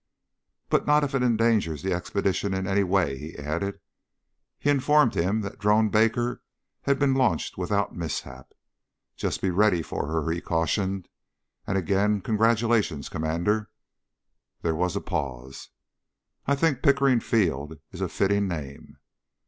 "But not if it endangers the expedition in any way," he added. He informed him that Drone Baker had been launched without mishap. "Just be ready for her," he cautioned. "And again congratulations, Commander." There was a pause.... "I think Pickering Field is a fitting name."